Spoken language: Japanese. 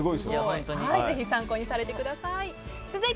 ぜひ、参考にされてください。